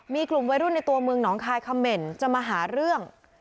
มีกลุ่มวัยรุ่นในตัวเมืองหนองคายคำเหม่นจะมาหาเรื่อง